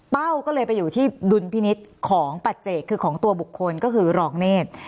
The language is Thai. ก็เลยไปอยู่ที่ดุลพินิษฐ์ของปัจเจกคือของตัวบุคคลก็คือรองเนธ